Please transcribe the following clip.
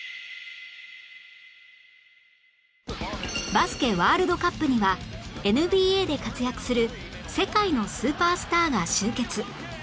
バスケワールドカップには ＮＢＡ で活躍する世界のスーパースターが集結